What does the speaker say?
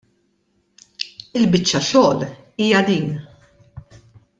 Il-biċċa xogħol hija din.